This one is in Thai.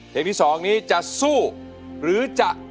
เพลงที่สองนี้จะสู้หรือจะ